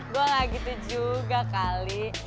ben gue gak gitu juga kali